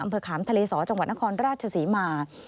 ขามทะเลสอจังหวัดนครราชศรีมา